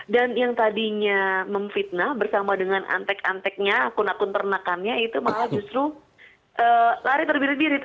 dan yang tadinya memfitnah bersama dengan antek anteknya akun akun ternakannya itu malah justru lari terbirit birit